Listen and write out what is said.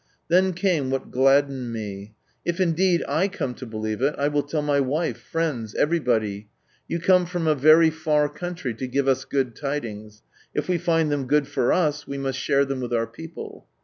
Then came what gladdened me :" If, indeed, I come to believe it, I will tell my wife, friends, everybody. You come from a very far country to give us good tidings. If we find them good for us, we must share them with our people."